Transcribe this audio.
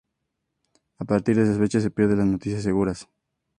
A partir de esa fecha se pierden las noticias seguras.